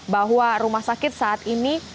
bahwa rumah sakit saat ini